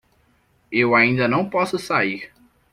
Eu ainda não posso sair